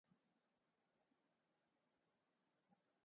یہ مناظرہ نہیں، مکالمہ ہے۔